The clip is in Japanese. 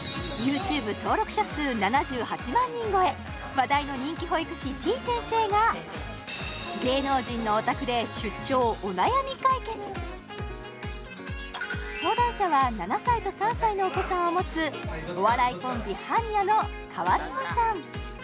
話題の人気保育士てぃ先生が芸能人のお宅で出張お悩み解決相談者は７歳と３歳のお子さんを持つお笑いコンビはんにゃ．の川島さん